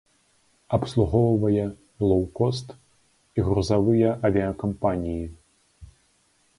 Абслугоўвае лоў-кост і грузавыя авіякампаніі.